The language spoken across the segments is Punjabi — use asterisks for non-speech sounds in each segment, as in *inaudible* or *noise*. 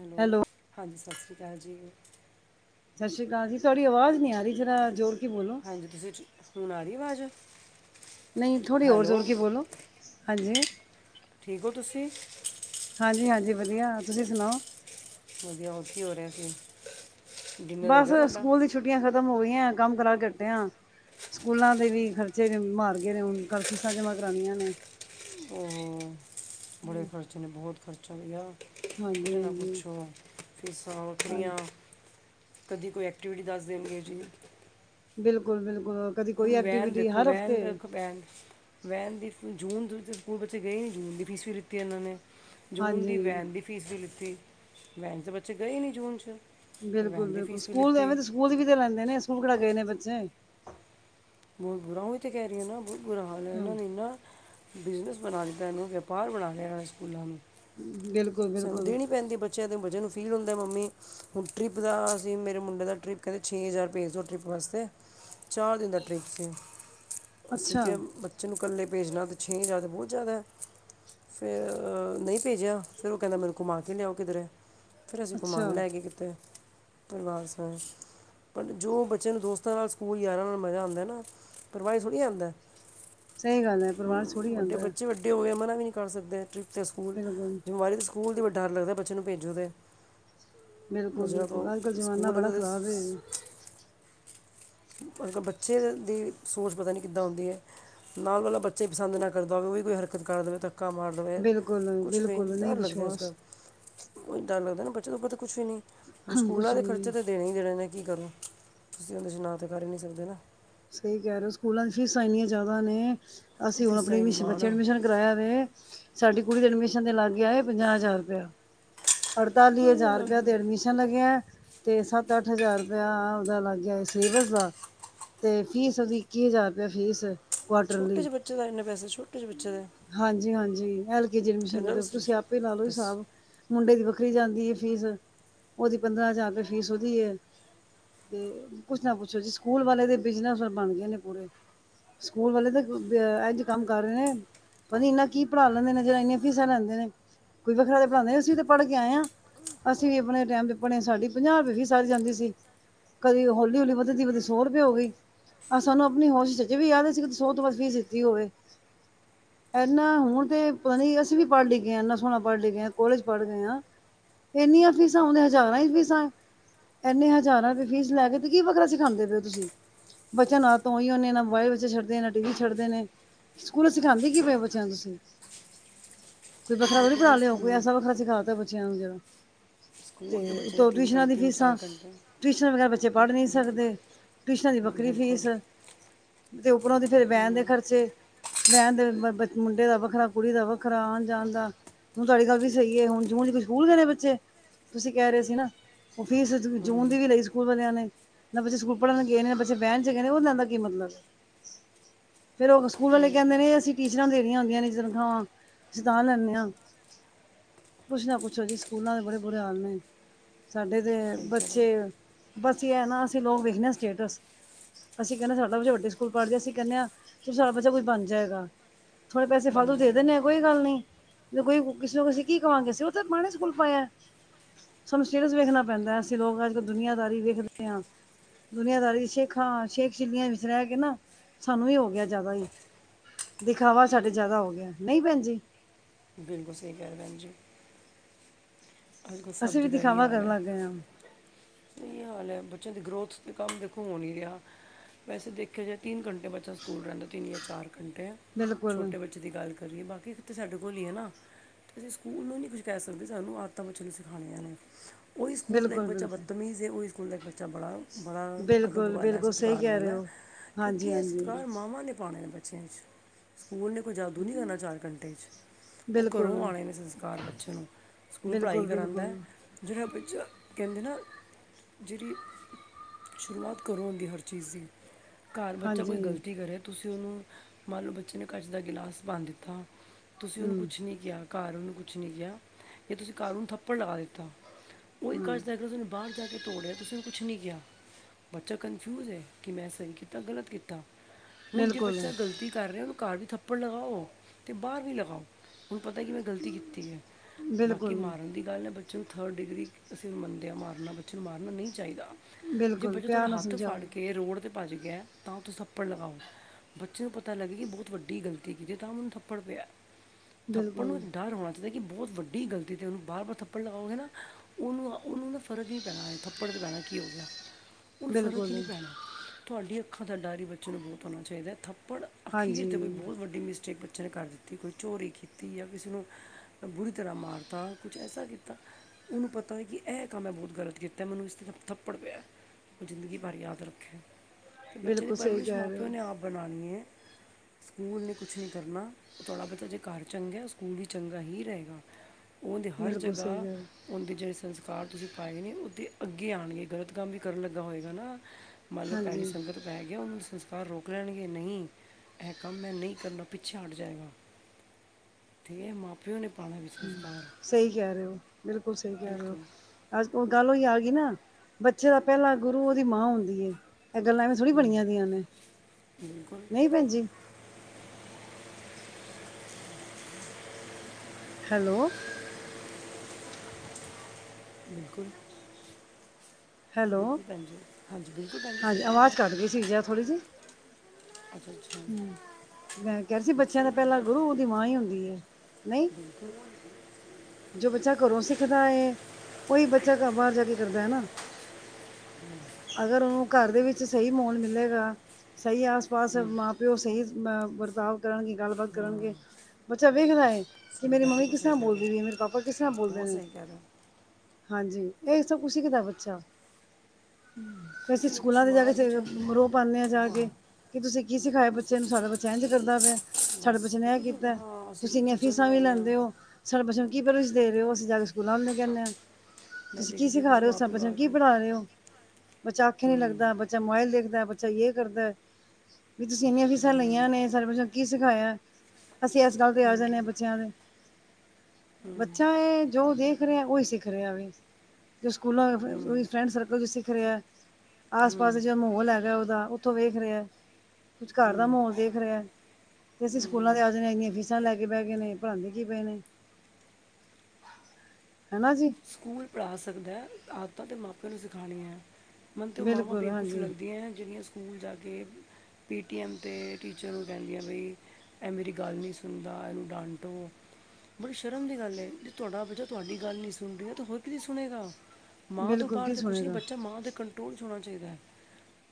ਹੈਲੋ ਹਾਂਜੀ ਸਸ ਸ਼੍ਰੀ ਕਾਲ ਜੀ ਓ ਸਸ਼ ਸ੍ਰੀ ਕਾਲ ਜੀ, ਤੁਹਾਡੀ ਆਵਾਜ਼ ਨੀ ਆ ਰਹੀ ਜਰਾ ਜੋ ਹਾਂਜੀ ਤੁਸੀਂ ਠੀਕ, ਹੁਣ ਆ ਰਿ ਵਾਜ਼। ਨਈ ਥੋੜ੍ਹੀ ਹੋਰ ਜ਼ੋਰ ਕੀ ਬੋਲੋ, ਹਾਂਜੀ। ਠੀਕ ਓ ਤੁਸੀਂ। ਹਾਂਜੀ- ਹਾਂਜੀ ਵਦੀਆ ਤੁਸੀਂ ਸੁਨਾਓ। ਵਦੀਆ ਹੋਰ ਕੀ ਹੋ ਰਆ ਫੇਰ? ਬਸ ਸਕੂਲ ਦੀ ਛੁੱਟੀਆਂ ਖ਼ਤਮ ਹੋ ਗਈਯਾ ਕੰਮ ਕਰਾ ਕੇ ਹਟੇ ਆਂ। ਸਕੂਲਾਂ ਦੇ ਵੀ ਖਰਚੇ ਮਾਰ ਗਏ ਨੇ ਹੁਣ ਕੱਲ ਫੀਸਾਂ ਜਮਾਂ ਕਰਾਨੀਆ ਨੇ। ਓਹੋ ਬੜੇ ਖਰਚੇ ਨੇ ਬਹੁਤ ਖਰਚੇ ਨੇ ਯਾ! ਕੁਝ ਹਾਂਜੀ ਨਾ ਹਾਂਜੀ ਪੁੱਛੋ ਫੀਸਾਂ ਹਾਂਜੀ ਵੱਖਰੀਆਂ। ਕਦੀ ਕੋਈ ਐਕਟੀਵਿਟੀ ਦੱਸ ਦੇਣਗੇ ਜੀ। ਬਿਲਕੁਲ- ਬਿਲਕੁਲ। ਕਦੀ ਕੋਈ ਹੁਣ, ਵੈਨ ਐਕਟੀਵਿਟੀ ਦੇਖੋ- ਹਰ ਹਫ਼ਤੇ ਵੈਨ ਦੇਖੋ- ਵੈਨ ਵੈਨ ਦੀ ਜੂਨ ਸਕੂਲ ਬੱਚੇ ਗਏ ਨਹੀਂ ਜੂਨ ਦੀ ਫੀਸ ਵੀ ਲਿਤੀ ਏਹਨਾਂ ਨੇ। ਜੂਨ ਦੀ ਹਾਂਜੀ ਵੈਨ ਦੀ। ਫੀਸ ਵੀ ਲਿੱਤੀ ਵੈਂਨ ਤਾਂ ਬੱਚੇ ਗਏ ਨਹੀਂ ਜੂਨ ਚ। ਫਿਰ ਬਿਲਕੁਲ ਵੈਨ ਦੀ ਬਿਲਕੁਲ ਫੀਸ ਵੀ ਸਕੂਲ ਦੇ ਲਿੱਤੀ ਐਵੇਂ ਤੇ ਸਕੂਲ ਦੀ ਵੀ ਤੇ ਲੈਂਦੇ ਨੇ ਸਕੂਲ ਕੇੜਾ ਗਏ ਨੇ ਬੱਚੇ। ਬੋਤ ਬੁਰਾ ਓ ਹੀ ਤੇ ਕਹਿ ਰਹੀ ਯਾਂ ਨਾ ਬਹੁਤ ਬੁਰਾ ਹਾਲ ਹੈ ਹਾਂ, ਇਹਨਾਂ ਨੇ ਏਨਾ ਬਿਜ਼ਨਸ ਬਣਾ ਦਿੱਤਾ, ਵਪਾਰ ਬਣਾ ਲਿਆ, ਸਕੂਲਾਂ ਨੇ ਬਿਲਕੁਲ ਸਾਨੂੰ ਬਿਲਕੁਲ ਦੇਣੀ ਪੈਂਦੀ ਬੱਚ ਬੱਚਿਆਂ ਨੂੰ ਵਜਨ ਫੀਲ ਹੋਂਦਾ ਮੰਮੀ। ਹੁਣ ਟ੍ਰਿਪ ਦਾ ਅਸੀਂ ਮੇਰੇ ਮੁੰਡੇ ਦਾ ਟਰ੍ਰਿਪ ਕਹਿੰਦੇ ਛੇ ਹਜ਼ਾਰ ਪੇਜ ਦੋ ਟਰਿਪ ਵਾਸਤੇ ਚਾਰ ਦਿਨ। ' ਅਸੀਂ ਅੱਛਾ ਕਯਾ ਬੱਚੇ ਨੂੰ ਕੱਲੇ ਪੇਜਣਾ ਤਾਂ ਛੇਂ ਹਜ਼ਾਰ ਤਾਂ ਬੋਤ ਜਾਦਾ ਅ। ਫੇਰ, ਨਹੀਂ ਪੇਜਆ ਫੇਰ ਓਹ ਕਹਿੰਦਾ ਮੈਨੂੰ ਕੁਮਾ ਕੇ ਲਿਆਓ ਕਿਧਰੇ। ਫੇਰ ਅਸੀਂ ਕੁਮਾਨ ਅੱਛਾ ਲੈਗੇ ਕਿਤੇ। ਪਰਿਵਾਰ ਸਾਰਾ, ਜੋ ਬੱਚਆਂ ਨੂੰ ਦੋਸਤਾਂ ਨਾਲ ਸਕੂਲ ਯਾਰਾਂ ਨਾਲ ਮਜ਼ਾ ਆਂਦਾ ਪਰਿਵਾਰ ਚ ਥੋੜੀ ਆਂਦਾ ਸਹੀ ਗੱਲ ਹੈ ਵੱਡੇ ਪਰਿਵਾਰ ਬੱਚੇ ਥੋੜ੍ਹੀ ਵੱਡੇ ਆਉਂਦਾ ਬੱਚੇ ਵੱਡੇ ਹੋਏ ਮਨਾ ਵੀ ਨਹੀਂ ਕਰ ਸਕਦੇ ਟ੍ਰਿਪ ਤੇ ਸਕੂਲ ਬਿਲਕੁਲ ਜਿੰਮੇਵਾਰੀ ਦੇ ਸਕੂਲ ਤੋਂ ਡਰ ਲੱਗਦਾ ਬੱਚੇਯਾਂ ਨੂੰ ਭੇਜੋ ਤੇ ਨਜ਼ਾਂ ਤੋਂ ਸਕੂਲ ਓਹਨਾਂ ਦੇ ਹ *inaudible* ਅਜ ਕੱਲ੍ਹ ਬੱਚੇ ਦੀ ਸੋਚ ਪਤਾ ਨੀ ਕਿੱਦਾਂ ਹੁੰਦੀ ਅ। ਨਾਲ ਵਾਲਾ ਬੱਚਾ ਹੀ ਪਸੰਦ ਨਾ ਕਰਦਾ ਹੋਵੇ ਓ ਵੀ ਕੋਈ ਹਰਕਤ ਕਰ ਦੇਵੇ ਧੱਕਾ ਮਾਰ ਦੇ। ਬਿਲਕੁਲ *unintelligible* ਕੁਛ ਵੀ ਬਿਲਕੁਲ ਨਹੀਂ ਡਰ ਲੱਗਦੈ ਵਿਸ਼ਵਾਸ ਅੱਜ-ਕੱਲ। ਡਰ ਲੱਗਦਾ ਨਾ ਬੱਚੇ ਤੋਂ ਓਪਰ ਤਾ ਕੁਛ ਵੀ ਨੀ ਹੁਣ ਕੁਛ ਸਕੂਲਾਂ ਦੇ ਵੀ ਖਰਚੇ ਨਹੀਂ ਤਾਂ ਦੇਣੇ ਹੀ ਦੇਣੇ ਨੇ, ਕੀ ਕਰੋ ਤੁਸੀਂ ਓਦੇ ਚ ਨਾ ਤੇ ਕਰ ਹੀ ਨੀ ਸਕਦੇ ਨਾ। ਸਹੀ ਕਹਿ ਰਹੇ ਓ ਸਕੂਲਾਂ ਚ ਫੀਸਾਂ ਐਨੀਆਂ ਜ਼ਾਦਾ ਨੇ ਅਸੀਂ ਹੁਣ ਫੀਸਾਂ ਆਪਣੇ ਹੀ ਨਹੀਂ *unintelligible* ਮਾਣ ਬੱਚਿਆ ਨੂੰ ਅ ਕਰਇਆ ਵੇ ਸਾਡੀ ਕੁੜੀ ਦੀ ਅਡਮਿਸ਼ਨ ਤੇ ਲੱਗ ਗਿਆ ਏ ਪੰਜਾਹ ਹਜ਼ਾਰ ਰੁਪਇਆ। ਅੜਤਾਲੀ ਹਜ਼ਾਰ ਲੱਗ ਰੁਪਿਆ ਗਿਆ ਤੇ ਅਡਮਿਸ਼ ਦਾ ਲੱਗਿਆ ਤੇ ਸੱਤ-ਅੱਠ ਹਜ਼ਾਰ ਰੁਪਇਆ ਓਦਾ ਲੱਗ ਗਿਆ ਏ ਸਿਲੇਬਸ ਦਾ। ਤੇ ਫੀਸ ਓਦੀ ਇੱਕੀ ਹਜ਼ਾਰ ਰੁਪਇਆ ਫੀਸ ਐ। ਛੋਟੇ ਜੇ ਬੱਚੇ ਦਾ ਐਨੇ ਪੈਸੇ ਛੋਟੇ ਜੇ ਬੱਚੇ ਦੇ। ਹਾਂਜੀ-ਹਾਂਜੀ, ਐਲ ਕੇ ਜੀ ਤੇ ਅਡਮਿਸ਼ਨ ਇਹਨਾਂ ਦਾ ਸਰੀਰ ਤੁਸੀਂ ਆਪੇ ਲਾ ਲਓ ਬਸ ਹਿਸਾਬ। ਮੁੰਡੇ ਦੀ ਵੱਖਰੀ ਜਾਂਦੀ ਏ ਫੀਸ ਓਦੀ ਪੰਦਰਾਂ ਹਜ਼ਾਰ ਰੁਪਏ ਫੀਸ ਓਦੀ ਐ। ਤੇ ਕੁਛ ਨਾ ਪੁੱਛੋ ਜੀ ਸਕੂਲ ਵਾਲੇ ਦੇ ਬਿਜਨਸ ਬਣ ਗਏ ਨੇ ਪੂਰੇ। ਸਕੂਲ ਵਾਲੇ ਤਾਂ ਅ ਐਝ ਕੰਮ ਕਰ ਰਹੇ ਨੇ। ਪਤਾ ਏਨਾ ਕੀ ਪੜਾ ਲੈਂਦੇ ਨੇ, ਜਿਹੜਾ ਐਨੀਆਂ ਫੀਸਾਂ ਲੈਂਦੇ ਨੇ ਕੋਈ ਵੱਖਰਾ ਤੇ ਪੜਾਦੇ ਨੀ। ਅਸੀਂ ਵ ਤੇ ਪੜ ਕੇ ਆਏ ਆ। ਅਸੀਂ ਵੀ ਆਪਣੇ ਟੈਮ ਤੇ ਪੜੇ ਆ। ਸਾਡੀ ਪੰਜਾਹ ਰੁਪਏ ਫੀਸ ਸਾਰੀ ਜਾਂਦੀ ਸੀ। ਕਦੀ ਹੌਲੀ-ਹੌਲੀ ਵਧਦੀ ਵਧ ਸੌ ਰੁਪਏ ਹੋ ਗਈ। ਆਹ ਸਾਨੂੰ ਆਪਣੀ ਹੋਸ਼ ਚ ਹਜੇ ਵੀ ਯਾਦ ਆ ਅਸੀ ਕਦੇ ਸੌ ਤੋਂ ਵੱਧ ਫੀਸ ਦਿੱਤੀ ਹੋਵੇ। ਐਨਾ ਹੁਣ ਤੇ ਪਤਾ ਨੀ ਅਸੀਂ ਵੀ ਪੜ-ਲਿਖ ਗਏ ਆ ਐਨਾ ਸੋਹਣਾ ਪੜ-ਲਿਖ ਗਏ ਆ। ਕੋਲੇਜ ਪੜ ਗਏ ਆ। ਐਨੀਆਂ ਫੀਸਾਂ ਹੁਣ ਤੇ ਹਜ਼ਾਰਾਂ ਈ ਫੀਸਾਂ। ਐਨੇ ਹਜ਼ਾਰਾਂ ਰੁਪਏ ਫੀਸ ਲੈ ਕੇ ਤੇ ਕੀ ਵੱਖਰਾ ਸਿਖਾਂਦੇ ਪ‌ਏ ਓ ਤੁਸੀਂ। ਬੱਚੇ ਨਾ ਤੋਂ ਓਹੀ ਆ, ਓਨੇ ਨਾ ਮੋਬਾਇਲ ਛੱਡਦੇ ਨੇ ਨਾ ਟੀ ਵੀ ਛੱਡਦੇ ਨੇ। ਸਕੂਲੇ ਸਿਖਾਦੇ ਕੀ ਪਏ ਓ ਬੱਚਿਆਂ ਨੂੰ ਤੁਸੀਂ? ਕੋਈ ਵੱਖਰਾ ਥੋੜੀ ਪੜਾ ਲਿਓ ਕੋਈ ਐਸਾ ਵੱਖਰਾ ਸਿਖਾ ਤਾ ਬੱਚਿਆਂ ਨੂੰ ਜਿਹੜਾ। ਤੇ ਓਤੋ ਟਿਊਸ਼ਨਾਂ ਦੀ ਫੀਸਾਂ, ਟਿਊਸ਼ਨਾਂ ਵਗੈਰ ਬੱਚੇ ਪੜ ਨੀ ਸਕਦੇ। ਟਿਊਸ਼ਨਾਂ ਦੀ ਵੱਖਰੀ ਫੀਸ ਤੇ ਓਪਰੋਂ ਤੇ ਫੇਰ ਵੈਨ ਦੇ ਖ਼ਰਚੇ। ਵੈਨ ਦੇ ਮੁੰਡੇ ਦਾ ਵੱਖਰਾ, ਕੁੜੀ ਦਾ ਵੱਖਰਾ ਆਣ-ਜਾਣ ਦਾ। ਹੁਣ ਤੁਹਾਡੀ ਗੱਲ ਵੀ ਸਹੀ ਏ, ਹੁਣ ਜੂਨ ਚ ਕੋ‌ਈ ਸਕੂਲ ਗ‌ਏ ਨੇ ਬੱਚੇ? ਤੁਸੀਂ ਕਹਿ ਰਹੇ ਸੀ ਨਾ ਓ ਫੀਸ ਜੂ ਜੂਨ ਦੀ ਵੀ ਲਈ ਸਕੂਲ ਵਾਲਿਆਂ ਨੇ, ਨਾ ਬੱਚੇ ਸਕੂ ਪੜਨ ਗਏ ਨੇ ਬੱਚੇ ਵੈਨ ਚ ਗਏ ਨੇ ਓ ਲੈਣ ਦਾ ਕੀ ਮਤਲਬ। ਫੇਰ ਓ ਸਕੂਲ ਵਾਲੇ ਕਹਿੰਦੇ ਨੇ ਅਸੀਂ ਟੀਚਰਾਂ ਨੂੰ ਦੇਣੀਆਂ ਹੁੰਦੀਆਂ ਨੇ ਤਨਖਾਹਾਂ। ਅਸੀਂ ਤਾਂ ਲੈਨੇ ਆ। ਕੁਛ ਨਾ ਪੁੱਛੋ ਜੀ ਸਕੂਲਾਂ ਦੇ ਬੜੇ ਬੁਰੇ ਹਾਲ ਨੇ। ਸਾਡੇ ਤੇ ਬੱਚੇ ਬਸ ਅਸੀਂ ਐਹ ਨਾ ਅਸੀਂ ਲੋਕ ਦੇਖਦੇ ਆ ਸਟੇਟਸ। ਅਸੀਂ ਕਹਿਨੇ ਆ ਸਾਡਾ ਬੱਚਾ ਵੱਡੇ ਸਕੂਲ ਪੜ ਜੇ ਅਸੀਂ ਕਹਿਨੇ ਆ ਸਾਡਾ ਬੱਚਾ ਕੁਛ ਬਣ ਜਾਏਗਾ। ਥੋੜੇ ਪੈਸੇ ਫਾਲਤੂ ਦੇ ਦਿੰਨੇ ਆ, ਕੋ ਈ ਗੱਲ ਨੀ, ਜੇ ਕੋਈ ਕਿਸੇ ਨੂੰ ਅਸੀ ਕੀ ਕਮਾਂਗੇ ਅਸੀ ਓ ਤਾਂ ਫਲਾਣੇ ਸਕੂਲ ਪਾਇਆ। ਸਾਨੂੰ ਸਟੇਟਸ ਵੇਖਣਾ ਪੈਂਦਾ। ਅਸੀਂ ਲੋਕ ਅੱਜ-ਕੱਲ ਦੁਨੀਆਦਾਰੀ ਵੇਖਦੇ ਆ। ਦੁਨੀਆਦਾਰੀ ਸ਼ੇਖਾਂ ਸ਼ੇਖ ਸ਼ਿੱਲੀਆਂ ਵਿੱਚ ਰਹਿ ਕੇ ਨਾ ਸਾਨੂੰ ਵੀ ਹੋ ਗਿਆ ਜ਼ਿਆਦਾ ਹੀ। ਦਿਖਾਵਾ ਸਾਡੇ ਜ਼ਿਆਦਾ ਹੋ ਗਿਆ, ਨ‌ਈ ਭੈਣ ਜੀ। ਬਿਲਕੁਲ ਸਹੀ ਕਹਿ ਰੇ ਭੈਣ ਜੀ। ਅਸੀਂ ਵੀ ਦਿਖਾਵਾ ਕਰਨ ਲੱਗ ਗਏ ਆ। ਏਹੀ ਹਾਲ ਐ ਬੱਚਿਆਂ ਦੀ ਗਰੋਥ ਤੇ ਕੰਮ ਦੇਖੋ ਹੋ ਨੀ ਰਿਹਾ, ਵੈਸੇ ਦੇਖਿਆ ਜਾਏ ਤਿੰਨ ਘੰਟੇ ਬੱਚਾ ਸਕੂਲ ਰਹਿੰਦਾ ਤਿੰਨ ਯਾ ਚਾਰ ਘੰਟੇ ਆ ਬਿਲਕੁਲ ਛੋਟੇ ਬੱਚ ਚੇ ਦੀ ਗੱਲ ਕਰੀਏ ਬਾਕੀ ਕਿਥੇ ਸਾਡੇ ਕੋਲ ਈ ਐ ਨਾ। ਤੁਸੀਂ ਸਕੂਲ ਨੂੰ ਨੀ ਕੁਛ ਕਹਿ ਸਕਦੇ। ਸਾਨੂੰ ਆਦਤਾਂ ਬੱਚਿਆਂ ਨੂੰ ਸਿਖਾਣੀਆਂ ਨੇ। ਉਹ ਹੀ ਸਕੂਲ ਦਾ ਇੱਕ ਬਿਲਕੁਲ ਬੱਚਾ ਬਿਲਕੁਲ ਬਦਤਮੀਜ਼ ਹੈ, ਉਹਹੀ ਸਕੂਲ ਦਾ ਇੱਕ ਬੱਚਾ ਬੜਾ ਬੜਾ ਅਦੱਬ ਬਿਲਕੁਲ ਵਾਲਾ ਹੈ, ਬਿਲਕੁਲ ਸਹੀ ਸਤਿਕਾਰ ਕਹਿ ਰਹੇ ਵਾਲਾ ਹੋ ਕਿਉਂਕਿ ਹਾਂਜੀ ਇਹ ਹਾਂਜੀ ਸਤਿਕਾਰ ਮਾਵਾਂ ਨੇ ਪਾਣੇ ਨੇ ਬੱਚਿਆਂ ਵਿੱਚ ਸਕੂਲ ਨੇ ਕੋਈ ਜਾਦੂ ਨਹੀਂ ਕਰਨਾ ਚਾਰ ਘੰਟੇ 'ਚ। ਉਹ ਬਿਲਕੁਲ ਘਰੋਂ ਆਉਣੇ ਨੇ ਸੰਸਕਾਰ ਬੱਚੇ ਨੂੰ ਸਕੂਲ ਪੜ੍ਹਾਈ ਬਿਲਕੁਲ ਕਰਾਉਂਦਾ। ਬਿਲਕੁਲ ਜਿਹੜਾ ਬੱਚਾ ਕਹਿੰਦੇ ਨਾ ਜਿਹੜੀ ਸ਼ੁਰੂਆਤ ਕਰੋਂ ਹੁੰਦੀ ਹਰ ਚੀਜ਼ ਦੀ, ਘਰ ਬੱਚਾ ਹਾਂਜੀ ਕੋਈ ਗਲਤੀ ਕਰੇ ਤੁਸੀਂ ਉਹਨੂੰ ਮੰਨ ਲਓ ਬੱਚੇ ਨੇ ਕੱਚ ਦਾ ਗਿਲਾਸ ਪਾਣ ਦਿੱਤਾ, ਤੁਸੀਂ ਉਹਨੂੰ ਹਮ ਕੁਛ ਨਹੀਂ ਕਿਆ ਘਰ ਉਹਨੂੰ ਕੁਛ ਨਹੀਂ ਕਿਆ, ਜੇ ਤੁਸੀਂ ਘਰ ਉਹੁਨੂੰ ਥੱਪੜ ਲਗਾ ਦਿੱਤਾ। ਓਹੀ ਹਮ ਕੱਚ ਅਗਰ ਤੁਸੀਂ ਉਹਨੂੰ ਬਾਹਰ ਜਾ ਕੇ ਤੋੜਿਆ ਤੁਸੀਂ ਕੁਛ ਨਹੀਂ ਕਿਹਾ, ਬੱਚਾ ਕਨਫਿਊਜ ਹੈ ਕਿ ਮੈਂ ਸਹੀ ਕੀਤਾ ਗ਼ਲਤ ਕੀਤਾ। ਹੁਣ ਜੇ ਬਿਲਕੁਲ ਬੱਚਾ ਗ਼ਲਤੀ ਕਰ ਰਿਹਾ ਉਹਨੂੰ ਘਰ ਵੀ ਥੱਪੜ ਲਗਾਓ, ਤੇ ਬਾਹਰ ਵੀ ਲਗਾਓ। ਹੁਣ ਪਤਾ ਕਿ ਮੈਂ ਗ਼ਲਤੀ ਕੀਤੀ ਹੈ, ਬਾਕੀ ਬਿਲਕੁਲ ਮਾਰਨ ਦੀ ਗੱਲ ਏ ਜੋ ਥਰਡ ਡਿਗਰੀ ਅਸੀਂ ਮੰਨਦੇਆ ਮਾਰਨਾ ਬੱਚੇ ਨੂੰ ਮਾਰਨਾ ਨਹੀਂ ਚਾਹੀਦਾ। ਜੇ ਬਿਲਕੁਲ ਬੱਚਾ ਤੁਹਾਡਾ ਪਿਆਰ ਨਾਲ ਹੱਥ ਫੜ ਸਮਝਾਓ ਕੇ ਰੋੜ ਤੇ ਭੱਜ ਗਿਆ, ਤਾਂ ਤੁਸੀਂ ਥੱਪੜ ਲਗਾਓ। ਬੱਚੇ ਨੂੰ ਪਤਾ ਲੱਗ ਕਿ ਬਹੁਤ ਵੱਡੀ ਗਲਤੀ ਕੀਤੀ, ਤਾਂ ਮੇਨੂੰ ਥੱਪੜ ਪਿਆ ਥੱਪੜ ਨੂੰ ਬਿਲਕੁਲ ਇੱਕ ਡਰ ਹੋਣਾ ਜਿੱਦਾਂ ਕਿ ਬਹੁਤ ਵੱਡੀ ਗਲਤੀ ਤੇ ਉਹਨੂੰ ਬਾਰ, ਬਾਰ ਥੱਪੜ ਲਗਾਓਗੇ ਨਾ, ਉਹਨੂੰ ਆ ਉਹਨੂੰ ਨਾ ਫਰਕ ਨਹੀਂ ਪੈਣਾ ਥੱਪੜ ਤੇ ਪੈਣਾ ਕੀ ਹੋ ਗਿਆ, ਉਹਨੂੰ ਫਰਕ ਬਿਲਕੁਲ ਹੀ ਨਹੀਂ ਪੈਣਾ। ਤੁਹਾਡੀ ਅੱਖਾਂ ਦਾ ਡਰ ਹੀ ਬੱਚੇ ਨੂੰ ਬਹੁਤ ਹੋਣਾ ਚਾਹੀਦਾ ਹੈ, ਥੱਪੜ ਅਖੀਰ ਹਾਂਜੀ 'ਤੇ ਕੋਈ ਬਹੁਤ ਵੱਡੀ ਮਿਸਟੇਕ ਬੱਚੇ ਨੇ ਕਰ ਦਿੱਤੀ। ਕਿ ਕੋਈ ਚੋਰੀ ਕੀਤੀ ਜਾਂ ਕਿਸੇ ਨੂੰ ਬੁਰੀ ਤਰ੍ਹਾਂ ਮਾਰਤਾ ਕੁਛ ਐਸਾ ਕੀਤਾ। ਉਹਨੂੰ ਪਤਾ ਹੈ ਕਿ ਇਹ ਕੰਮ ਹੈ ਬਹੁਤ ਗਲਤ ਕੀਤਾ ਮੈਨੂੰ ਇਸ ਤਰ੍ਹਾਂ ਥੱਪੜ ਪਿਆ, ਉਹ ਜ਼ਿੰਦਗੀ ਭਰ ਯਾਦ ਰੱਖੇ। ਤੇ ਬੱਚੇ ਦੀ ਬਿਲਕੁਲ ਸਹੀ ਪਰਵਰਿਸ਼ ਕਹਿ ਮਾਂ ਰਹੇ ਪਿਓ ਹੋ ਨੇ ਆਪ ਬਣਾਉਣੀ ਹੈ, ਸਕੂਲ ਨੇ ਕੁਛ ਨਹੀਂ ਕਰਨਾ। ਤੁਹਾਡਾ ਬੱਚਾ ਜੇ ਘਰ ਚੰਗਾ ਸਕੂਲ ਵੀ ਚੰਗਾ ਹੀ ਰਹੇਗਾ, ਉਹਦੇ ਹਰ ਬਿਲਕੁਲ ਸਹੀ ਜਗ੍ਹਾ ਕਹਿ ਰਹੇ ਉਹਦੇ ਜਿਹੜੇ ਸੰਸਕਾਰ ਤੁਸੀਂ ਪਾਏ ਨੇ ਉਹਦੇ ਅੱਗੇ ਆਉਣਗੇ, ਗਲਤ ਕੰਮ ਵੀ ਕਰਨ ਲੱਗਾ ਹੋਏਗਾ ਨਾ ਮੰਨ ਲਓ ਪੈੜੀ ਹਾਂਜੀ ਸੰਗਤ ਪੈ ਗਿਆ ਉਹਨੂੰ ਸੰਸਕਾਰ ਰੋਕ ਲੈਣਗੇ ਨਹੀਂ ਇਹ ਕੰਮ ਮੈਂ ਨਹੀਂ ਕਰਨਾ ਪਿੱਛੇ ਹਟ ਜਾਏਗਾ। *inaudible* ਠੀਕ ਹੈ ਮਾਂ ਪਿਓ ਨੇ ਪਾਣਾ ਵਿੱਚ ਸਹੀ ਕੇ ਰਹੇ ਹੋ ਬਿਲਕੁਲ ਸਹੀ ਕਹਿ ਰਹੇ ਬਿਲਕੁਲ ਹੋ। ਗੱਲ ਔਹੀ ਆਗੀ ਨਾ ਬੱਚੇ ਦਾ ਪਹਿਲਾ ਗੁਰੂ ਉਹਦੀ ਮਾਂ ਹੁੰਦੀ ਏ। ਇਹ ਗੱਲਾਂ ਥੋੜ੍ਹੀ ਬਣੀਆਂ ਦੀਆਂ ਨੇ, ਬਿਲਕੁਲ ਨਹੀਂ ਭੈਣ ਜੀ। ਹੈਲੋ। ਬਿਲਕੁਲ। ਹੈਲੋ ਬਿਲਕੁਲ ਭੈਣ ਜੀ ਹਾਂਜੀ ਬਿਲਕੁਲ ਭੈਣ ਜੀ ਸਹੀ ਕਹਿ ਰਹੇ ਹੋ। ਚਿਜ਼ਾ ਥੋੜੀ ਜੀ ਅੱਛਾ, ਅੱਛਾ। ਮੈਂ ਕਿਆ ਸੀ ਬੱਚਿਆਂ ਸਹੀ ਦਾ ਪਹਿਲਾਂ ਬਿਲਕੁਲ ਗੁਰੂ ਉਹਦੀ ਮਾਂ ਹੀ ਹੁੰਦੀ ਹੈ ਨਹੀਂ ਬਿਲਕੁਲ ਹੁੰਦੀ ਹੈ। ਜੋ ਬੱਚਾ ਘਰੋਂ ਸਿੱਖਦਾ ਏ, ਉਹੀ ਬੱਚਾ ਬਾਹਰ ਜਾ ਕੇ ਕਰਦਾ ਹੈਨਾ। *inaudible* ਅਗਰ ਉਹਨੂੰ ਘਰ ਦੇ ਵਿੱਚ ਸਹੀ ਮੋਲ ਮਿਲੇਗਾ, ਸਹੀ ਆਸ ਪਾਸ ਦੇ ਮਾਂ ਫੇਰ ਉਹ ਸਹੀ ਬਰਤਾਵ ਕਰਾਗੇ, ਗੱਲਬਾਤ ਕਰਾਗੇ ਬੱਚਾ ਵੇਖਦਾ ਹੈ, ਕਿ ਸਹੀ ਮੇਰੀ ਕਹਿ ਮੰਮੀ ਬਿਲਕੁਲ ਕਿਸ ਸਹੀ ਤਰ੍ਹਾਂ ਕਹਿ ਰਹੇ ਬੋਲਦੀ ਵੀ ਹੋ ਮੇਰੇ ਪਾਪਾ ਕਿਸ ਤਰ੍ਹਾਂ ਬੋਲਦੇ ਬਹੁਤ ਨੇ। ਸਹੀ ਕਹਿ ਰਹੇ ਹੋ ਹਾਂਜੀ, ਏ ਸ ਕੁਸੀ ਕਿਤਾ ਬੱਚਾ? ਵੈਸੇ ਕਿਉਂਕਿ ਦੇਖੋ ਸਕੂਲਾਂ ਤੇ ਜਾ ਸਮਾਜ ਕੇ ਵਿੱਚ ਰੋ ਪਾਨੇ ਆਂ ਜਾ ਹਾਂ ਕੇ। ਕਿ ਤੁਸੀਂ ਕੀ ਸਿਖਾਯਾ ਬਸ ਬੱਚੇਆਂ ਨੂੰ ਸਾਡਾ ਬੱਚਾ ਇੰਜ ਕਰਦਾ ਪੇਯਾ, ਸਾਡੇ ਬਸ ਬੱਚੇ ਨੇ ਏ ਪਤਾ ਕੀ ਗੱਲ ਆ, ਕੀਤਾ। ਹਾਂ ਅਸੀਂ ਤੁਸੀਂ ਏਨੀਆਂ ਟੀਚਰ ਨੂੰ ਫੀਸਾਂ ਵੀ ਕਹਿੰਦੇ ਆ ਲੈਂਦੇ ਓ, ਸਾਡੇ ਬੱਚਿਆਂ ਨੂੰ ਕੀ ਪ੍ਰਵੀਸ਼ ਦੇ ਰੇਓ? ਅਸੀਂ ਜਾ ਕੇ ਸਕ ਗੁਲਾਮ ਨੇ ਕੈਂਨੇ ਆ, ਮੈਂ ਤੁਸੀਂ ਕੀ ਦੇਖਦੀ ਆ ਸਿਖਾ ਕੁਝ ਰਹੇਓ? ਮਾਪੇ ਆ ਕੇ ਬੱਚਾ ਆੱਖੇ ਨੀ ਲੱਗਦਾ, ਬੱਚਾ ਮੋਆਇਲ ਦੇਖਦਾ, ਬੱਚਾ ਯੇ ਕਰਦਾ। ਵੀ ਤੁਸੀਂ ਏਨੀਆਂ ਫੀਸਾਂ ਲਈਆਂ ਨੇ, ਸਾਡੇ ਬੱਚੇ ਨੂੰ ਕੀ ਸਿਖਾਯਾ? ਅਸੀ ਏਸ ਗੱਲ ਤੇ ਆ ਜਾਂਨੇ ਆਂ ਬੱਚੇਆਂ ਦੇ, ਬੱਚਾ ਏ ਜੋ ਦੇਖ ਰੇਯਾ ਓਈ ਸਿੱਖ ਰੇਯਾ ਵੇ, ਸਕੂਲਾਂ ਹੂੰ ਫਰੈਂਡ ਸਰਕਲ ਚ ਸਿੱਖ ਰਿਯਾ। ਆਸ ਪਾਸ ਹੂੰ ਜੇਆ ਮਓਲ ਹੈਗਾ ਓਹਦਾ ਉੱਥੋਂ ਵੇਖ ਰਿਯਾ ਕੁਛ ਹੂੰ ਘਰ ਦਾ ਹੂੰ, ਮਾਹੌਲ ਦੇਖ ਰੇਯਾ। ਵੈਸੇ ਸਕੂਲਾਂ ਹੂੰ ਦੇ ਆ ਜਾਂਦੇ ਏਨੀਆਂ ਫੀਸਾਂ ਸਾਂ ਲੈ ਕੇ ਬੈ ਗਏ ਨੇ ਪੜਾਂਦੇ ਕੀ ਪਏ ਨੇ, ਹੈਂਨਾ ਜੀ। ਸਕੂਲ ਪੜਾ ਸਕਦਾ, ਆਦਤਾਂ ਤੇ ਮਾਂ-ਪਿਓ ਨੇ ਸਿਖਾਣੀਆਂ। ਮੈਨੂੰ ਤੇ ਮਾਵਾਂ ਬਿਲਕੁਲ ਬੇਵਕੂਫ ਹਾਂਜੀ ਲਗਦੀਆਂ ਜੇੜੀਆਂ ਸਕੂਲ ਜਾ ਕੇ ਪੀਟੀਐੱਮ 'ਤੇ ਟੀਚਰ ਨੂੰ ਕੈਂਦੀਆਂ ਬਈ ਏ ਮੇਰੀ ਗੱਲ ਨਈਂ ਸੁਣਦਾ, ਏਨੂੰ ਡਾਂਟੋ। ਬੜੀ ਸ਼ਰਮ ਦੀ ਗੱਲ ਏ, ਜੇ ਤੁਆਡਾ ਬੱਚਾ ਤੁਆਡੀ ਗੱਲ ਨੀਂ ਸੂੰ ਣ ਰੇਯਾ ਤੇ ਹੋਰ ਕੀਦੀ ਸੁਣੇਗਾ। ਮਾਂ ਤੋਂ ਬਿਲਕੁਲ ਬਾਰ ਕੀ ਤੇ ਕੁਛ ਨੀਂ ਸੁਣੇਗਾ ਬੱਚਾ ਮਾਂ ਦੇ ਕੰਟਰੋਲ ਚ ਹੋਣਾ ਚਾਈਦਾ।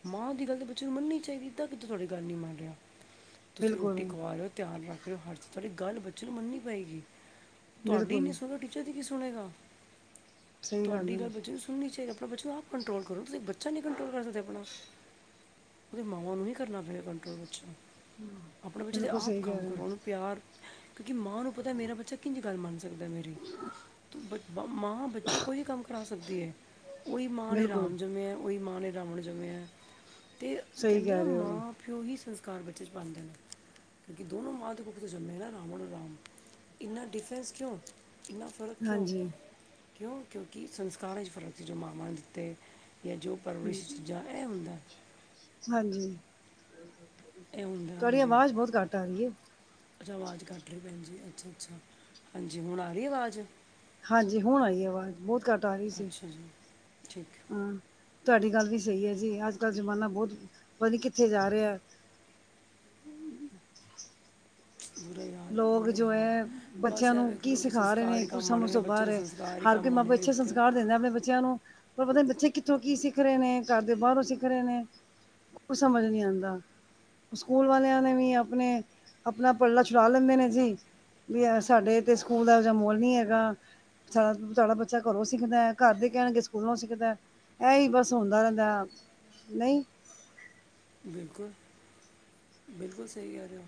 ਮਾਂ ਦੀ ਗੱਲ ਤਾਂ ਬੱਚੇ ਨੂੰ ਮੰਨੀ ਚਾਈਦੀ ਏ, ਏਦਾਂ ਕਿੱਦਾ ਤੁਆਡੀ ਗੱਲ ਨੀ ਮੰਨ ਰੇਯਾ। ਤੁਸੀਂ ਰੋਟੀ ਬਿਲਕੁਲ ਖਵਾ ਰੇਓ, ਧਿਆਨ ਰੱਖ ਰੇਓ, ਹਰ ਚੀਜ਼ ਤੁਆਡੀ ਗੱਲ ਬੱਚੇ ਨੂੰ ਮੰਨਨੀ ਪਏਗੀ। ਤੁਆਡੀ ਨੀਂ ਬਿਲਕੁਲ ਸੁਣਦਾ, ਟੀਚਰ ਦੀ ਕੀ ਸੁਣੇਗਾ? ਸਹੀ ਤੁਆਡੀ ਹੈ ਗੱਲ ਬੱਚੇ ਨੂੰ ਸੁਨਣੀ ਚਾਈਦੀ, ਅਪਣਾ ਬੱਚਾ ਨੂੰ ਆਪ ਕੰਟਰੋਲ ਕਰੋ ਤੁਸੀਂ ਬੱਚਾ ਨਈਂ ਕੰਟਰੋਲ ਕਰ ਸਕਦੇ ਅਪਣਾ, ਕਿਉਂਕਿ ਮਾਵਾਂ ਨੂੰ ਹੀ ਕਰਨਾ ਪਏਗਾ ਕੰਟਰੋਲ ਬੱਚਾ। ਅਪਣੇ ਬੱਚੇ ਤੇ ਬਿਲਕੁਲ ਆਪ ਸਹੀ ਕਹਿ ਕੰਮ ਰਹੇ ਹੋ, ਕਰੋ। ਪਿਆਰ, ਕਿਉਂਕਿ ਮਾਂ ਨੂੰ ਪਤਾ ਮੇਰਾ ਬੱਚਾ ਕਿੰਜ ਗੱਲ ਮੰਨ ਸਕਦਾ ਮੇਰੀ। ਮਾਂ ਬੱਚੋਂ ਕੋਈ ਕੰਮ ਕਰਾ ਸਕਦੀ ਏ ਓਈ ਮਾਂ ਨੇ ਬਿਲਕੁਲ ਰਾਮ ਜਮੇਯਾ, ਓਈ ਮਾਂ ਨੇ ਰਾਵਣ ਜਮੇਯਾ, ਤੇ ਸਹੀ ਕੈਂਦੇ ਨਾ ਕਹਿ ਰਹੇ ਹੋ ਮਾਂ-ਪਿਓ ਹੀ ਸੰਸਕਾਰ ਬੱਚੇ ਚ ਪਾਂਦੇ ਨੇ। ਕਿਉਂਕਿ ਦੋਨੋਂ ਮਾਂ ਦੀ ਕੁੱਖ'ਚੋਂ ਜੰਮੇ ਨਾ ਰਾਵਣ ਔਰ ਰਾਮ, ਇੰਨਾ ਡਿਫਰੈਂਸ ਕਿਉਂ? ਇੰਨਾ ਫਰਕ ਕਿਉਂ ਹਾਂਜੀ। ਕਿਉਂ, ਕਿਉਂਕਿ ਸੰਸਕਾਰਾਂ 'ਚ ਫਰਕ ਸੀ ਜੋ ਮਾਂਵਾਂ ਦਿੱਤੇ ਜਾਂ ਜੋ ਪਰਵਰਿਸ਼ ਚੀਜ਼ਾਂ ਏ ਹੁੰਦਾ। ਹੰਜੀ, ਇਹ ਹੁੰਦਾ ਤੁਆਡੀ ਹਾਂਜੀ ਆਵਾਜ਼ ਬਓਤ ਘੱਟ ਆ ਰੀਏ। ਅੱਛਾ, ਆਵਾਜ਼ ਕੱਟ ਰੀ ਭੈਣ ਜੀ ਅੱਛਾ-ਅੱਛਾ ਹਾਂਜੀ, ਹੁਣ ਆ ਰੀਏ ਆਵਾਜ? ਹਾਂਜੀ ਹੁਣ ਆਈ ਆਵਾਜ਼, ਬਓਤ ਘੱਟ ਆ ਰੀ ਸੀ, ਅੱਛਾ ਜੀ ਠੀਕ ਹੁੰ। ਤੁਵਾਡੀ ਗੱਲ ਵੀ ਸਈ ਏਜੀ ਅੱਜ-ਕੱਲ ਜ਼ਮਾਨਾ ਬਹੁਤ ਪਤਾ ਨੀਂ ਕਿੱਥੇ ਜਾ ਰੇਯਾ? ਬੁਰਾ ਹੀ ਹਾਲ ਹੈ ਲੋਕ ਬੁਰਾ ਹੀ ਜੋ ਹਾਲ ਹੈ ਐ ਬਸ ਬੱਚਿਆਂ ਇਹ ਨੂੰ ਵੇਖ ਕੀ ਲਓ ਕਿ ਸਿਖਾ ਸੰਸਕਾਰ ਰੇਨੇ, ਹੀ ਕੁਝ ਕੰਮ ਆਉਣੇ ਨੇ ਤੋ ਬੱਚੇ ਬਾਰ ਦੇ ਐ। ਸੰਸਕਾਰ ਹੀ ਹਰ ਕੋਈ ਕੰਮ ਮਾਂ-ਪੇ ਆਉਣੇ ਨੇ ਅੱਛੇ ਇੱਥੇ ਸੰਸਕਾਰ ਦਿੰਦਾ ਅਪਨੇ ਬੱਚਿਆਂ ਨੂੰ। ਪਰ ਪਤਾ ਨੀਂ ਬੱਚੇ ਕਿੱਥੋਂ ਕੀ ਸਿੱਖ ਰੇਨੇ, ਘਰ ਦੇ ਬਾਰੋਂ ਸਿੱਖ ਰਹੇ ਨੇ? ਕੁਛ ਸਮਜ ਨੀ ਆਂਦਾ, ਸਕੂਲ ਵਾਲਿਆਂ ਨੇ ਵੀ ਅਪਨੇ ਅਪਨਾ ਪੱਲਾ ਛੁੜਾ ਲੈਂਦੇ ਨੇ ਜੀ ਵੀ ਸਾਡੇ ਤੇ ਸਕੂਲ ਦਾ ਮਓਲ ਨੀ ਹੈਗਾ। ਸਾਡਾ ਬੱਚਾ ਘਰੋਂ ਸਿੱਖਦਾ, ਘਰ ਦੇ ਕਹਿਣ ਗੇਂ ਸਕੂਲੋਂ ਸਿੱਖਦਾ। ਐ ਹੀ ਬਸ ਹੁੰਦਾ ਰੈਂਦਾ, ਨਈਂ? ਬਿਲਕੁਲ ਬਿਲਕੁਲ, ਸਹੀ ਕੈ ਰੇਓ।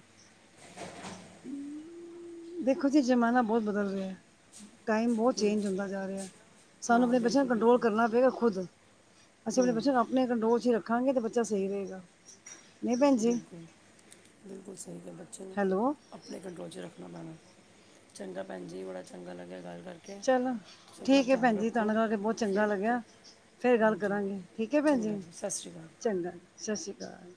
ਦੇਖੋ ਜੀ ਜ਼ਮਾਨਾ ਬੋਤ ਬਦਲ ਰੇਯਾ। ਟਾਈਮ ਬਉਤ ਹਮ, ਚੇਂਜ ਹੁੰਦਾ ਜਾ ਰੇਯਾ। ਸਾਨੂੰ ਹਾਂ ਅਪਨੇ ਬੱਚਿਆਂ ਨੂੰ ਬਿਲਕੁਲ ਕੰਟਰੋਲ ਬਿਲਕੁਲ ਕਰਨਾ ਪਏਗਾ ਖੁਦ। ਅਸੀਂ ਆਪਣੇ ਬੱਚਿਆਂ ਨੂੰ ਆਪਣੇ ਕੰਟਰੋਲ ਚ ਹੀ ਰੱਖਾਂਗੇ ਤੇ ਬੱਚਾ ਸਹੀ ਰਹੇਗਾ। ਨਹੀਂ ਭੈਣ ਜੀ ਬਿਲਕੁਲ, ਬਿਲਕੁਲ ਸਹੀ ਕਿਹਾ ਬੱਚੇ ਨੇ ਹੈਲੋ ਆਪਣੇ ਕੰਟਰੋਲ ਚ ਰੱਖਣਾ ਪੈਣਾ। ਚੰਗਾ ਭੈਣ ਜੀ ਬੜਾ ਚੰਗਾ ਲੱਗਿਆ ਗੱਲ ਕਰਕੇ। ਚਲੋ ਤੁਸੀਂ ਆਪਣਾ ਠੀਕ ਐ ਧਿਆਨ ਭੈਣ ਜੀ। ਤੁਹਾਡੇ ਨਾਲ ਰੱਖੋ ਗੱਲ ਕਰਕੇ ਬਹੁਤ ਚੰਗਾ ਫਿਰ ਕ- ਲੱਗਿਆ। ਫੇਰ ਗੱਲ ਹਾਂਜੀ ਕਰਾਂਗੇ ਠੀਕ ਐ ਭੈਣ ਚੰਗਾ ਜੀ, ਸਤਿ ਸ਼੍ਰੀ ਅਕਾਲ ਚੰਗਾ ਸਤਿ ਸ਼੍ਰੀ ਅਕਾਲ।